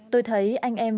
tôi thấy anh em